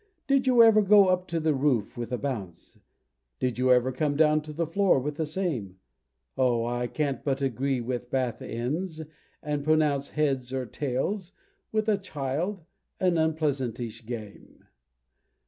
Did you ever go up to the roof with a bounce? Did you ever come down to the floor with the same? Oh! I can't but agree with bath ends, and pronounce "Heads or tails," with a child, an unpleasantish game!